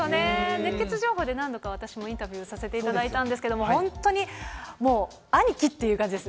熱ケツ情報で何度か私もインタビューさせていただいたんですけれども、本当にもう兄貴っていう感じです。